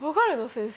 先生。